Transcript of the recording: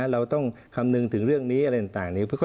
เราต้องคำนึงถึงเรื่องนี้อะไรต่างนี้